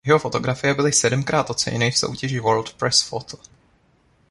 Jeho fotografie byly sedmkrát oceněny v soutěži World Press Photo.